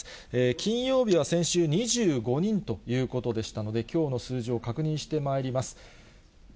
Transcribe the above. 金曜日は先週２５人ということでしたので、きょうの数字を確認してまいります。